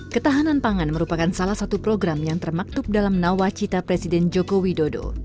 ketahanan pangan merupakan salah satu program yang termaktub dalam nawacita presiden joko widodo